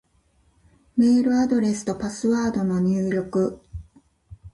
メールアドレスとパスワードの入力